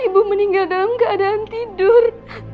ibu meninggal dalam keadaan tidur